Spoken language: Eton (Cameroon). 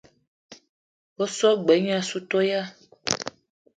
Be so g-beu gne assou toya.